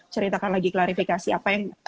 ceritakan lagi klarifikasi apa yang